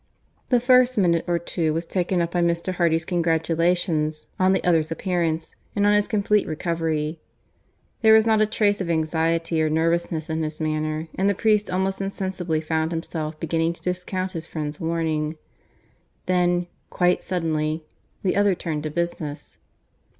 The first minute or two was taken up by Mr. Hardy's congratulations on the other's appearance, and on his complete recovery. There was not a trace of anxiety or nervousness in his manner; and the priest almost insensibly found himself beginning to discount his friend's warning. Then, quite suddenly, the other turned to business.